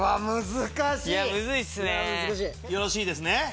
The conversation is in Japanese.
よろしいですね。